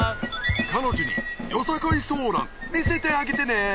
彼女によさこいソーラン見せてあげてね！